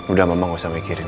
udah mama gak usah mikirin